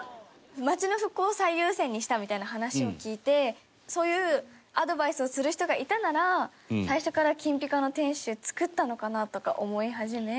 町の復興を最優先にしたみたいな話を聞いてそういうアドバイスをする人がいたなら最初から金ピカの天守造ったのかな？とか思い始め。